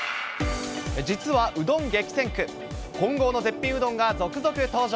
実はうどん激戦区、本郷の絶品うどんが続々登場。